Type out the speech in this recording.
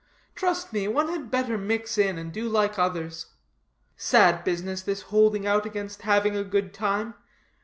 Trust me, one had better mix in, and do like others. Sad business, this holding out against having a good time.